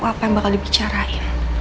apa yang bakal dibicarain